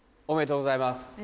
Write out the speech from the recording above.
おめでとうございます。